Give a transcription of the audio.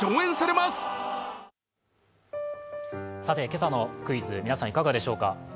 今朝のクイズ、皆さんいかがでしょうか？